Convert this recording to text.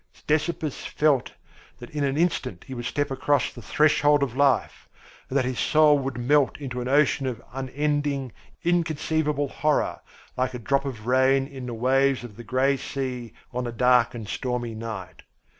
Ctesippus felt that in an instant he would step across the threshold of life, and that his soul would melt into an ocean of unending, inconceivable horror like a drop of rain in the waves of the grey sea on a dark and stormy night.